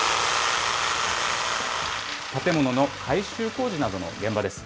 建物の改修工事などの現場です。